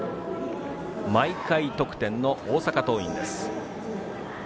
毎回得点の大阪桐蔭です。